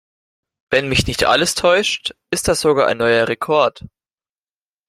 Wenn mich nicht alles täuscht, ist das sogar ein neuer Rekord.